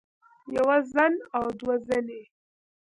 يوه زن او دوه زنې